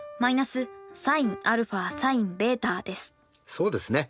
そうですね。